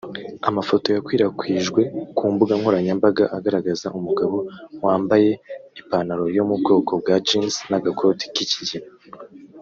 Amafoto yakwirakwijwe ku mbuga nkoranyambaga agaragaza umugabo wambyaye ipantaro yo mu bwoko bwa jeans n’agakoti k’ikigina